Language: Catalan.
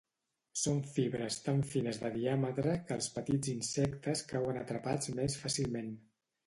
Són fibres tan fines de diàmetre que els petits insectes cauen atrapats més fàcilment.